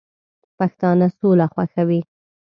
پښتانه سوله خوښوي